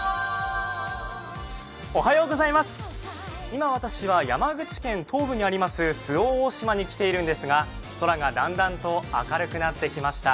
今私は山口県東部にあります周防大島に来ているんですが、空がだんだん明るくなってきました。